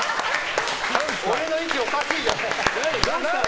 俺の位置おかしいだろ。